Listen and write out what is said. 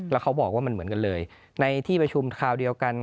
แล้วเขาบอกว่ามันเหมือนกันเลยในที่ประชุมคราวเดียวกัน